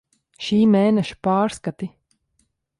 Šī mēneša pārskati.